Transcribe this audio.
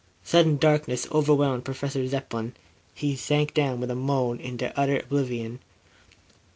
Sudden darkness overwhelmed Professor Zepplin. He sank down with a moan, into utter oblivion.